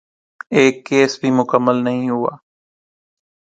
ایک کیس بھی مکمل نہیں ہوا۔